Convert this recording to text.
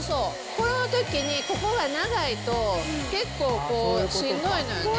このときにここが長いと、結構こう、しんどいのよね。